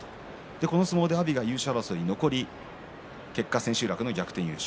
この相撲で阿炎が優勝争いに残り結果、千秋楽での逆転優勝。